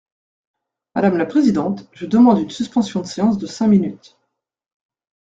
Madame la présidente, je demande une suspension de séance de cinq minutes.